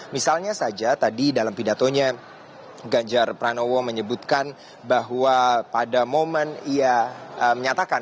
misalnya saja tadi dalam pidatonya ganjar pranowo menyebutkan bahwa pada momen ia menyatakan